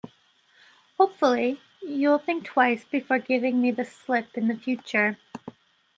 Hopefully, you'll think twice before giving me the slip in future.